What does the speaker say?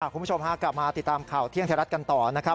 คุณผู้ชมฮะกลับมาติดตามข่าวเที่ยงไทยรัฐกันต่อนะครับ